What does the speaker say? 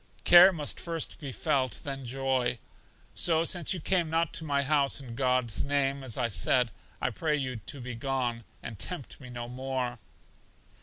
Care must first be felt, then joy. So since you came not to my house in God's name, as I said, I pray you to be gone, and tempt me no more.